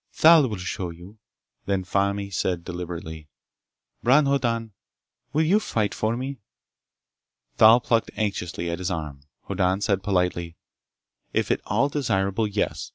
"Thal will show you." Then Fani said deliberately, "Bron Hoddan, will you fight for me?" Thal plucked anxiously at his arm. Hoddan said politely: "If at all desirable, yes.